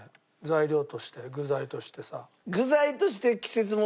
材料として具材としてさ。